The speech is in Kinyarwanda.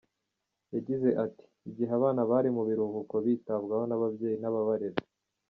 Yagize ati,"Igihe abana bari mu biruhuko bitabwaho n’ababyeyi n’ababarera.